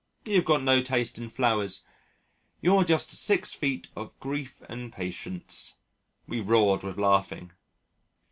You've got no taste in flowers you're just six feet of grief and patience." We roared with laughing.